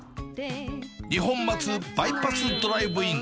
二本松バイパスドライブイン。